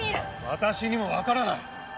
私にもわからない。